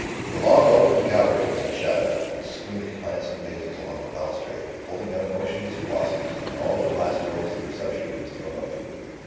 The long open gallery was in shadow, with its screen of plants in vases along the balustrade, holding out motionless blossoms, and all the glass doors of the reception rooms thrown open.